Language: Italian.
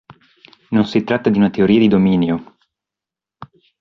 Non si tratta di una teoria di dominio.